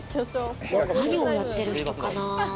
何をやってる人かな？